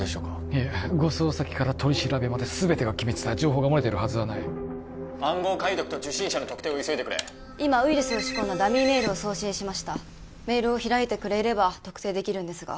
いや護送先から取り調べまで全てが機密だ情報がもれているはずはない暗号解読と受信者の特定を急いでくれ今ウイルスを仕込んだダミーメールを送信しましたメールを開いてくれれば特定できるんですが